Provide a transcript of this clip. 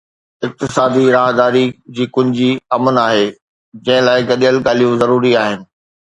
اقتصادي راهداري جي ڪنجي امن آهي، جنهن لاءِ گڏيل ڳالهيون ضروري آهن